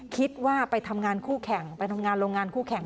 คิดว่าไปทำงานคู่แข่งไปทำงานโรงงานคู่แข่ง